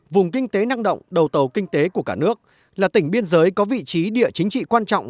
vùng kinh tế năng động đầu tàu kinh tế của cả nước là tỉnh biên giới có vị trí địa chính trị quan trọng